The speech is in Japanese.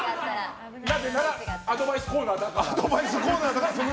なぜならアドバイスコーナーだから？